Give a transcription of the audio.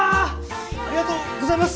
ありがとうございます！